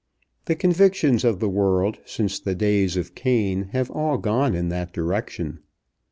The convictions of the world since the days of Cain have all gone in that direction.